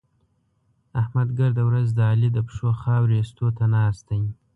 احمد ګرده ورځ د علي د پښو خاورې اېستو ته ناست دی.